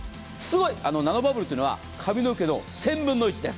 ナノバブルというのは髪の毛の１０００分の１です。